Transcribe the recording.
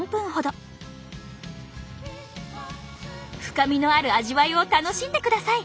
深みのある味わいを楽しんでください！